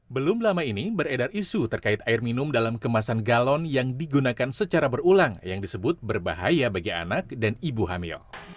belum lama ini beredar isu terkait air minum dalam kemasan galon yang digunakan secara berulang yang disebut berbahaya bagi anak dan ibu hamil